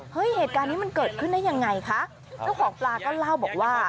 เหตุการณ์นี้มันเกิดขึ้นได้ยังไงคะเจ้าของปลาก็เล่าบอกว่า